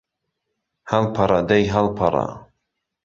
ههڵپهڕه دهی ههڵپهڕه